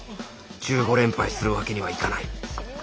１５連敗するわけにはいかない